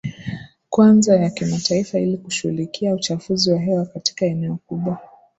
kwanza ya kimataifa ili kushughulikia uchafuzi wa hewa katika eneo kubwa